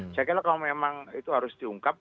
saya kira kalau memang itu harus diungkap